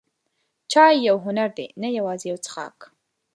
چای یو هنر دی، نه یوازې یو څښاک.